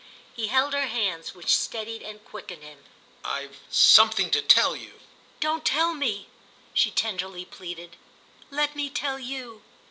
He held her hands, which steadied and quickened him. "I've something to tell you." "Don't tell me!" she tenderly pleaded; "let me tell you.